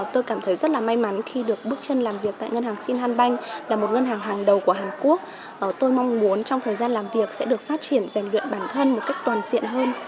tôi cảm thấy rất là may mắn khi được bước chân làm việc tại ngân hàng shinhan banh là một ngân hàng hàng đầu của hàn quốc tôi mong muốn trong thời gian làm việc sẽ được phát triển dành luyện bản thân một cách toàn diện hơn